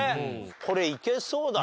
これいけそうだね。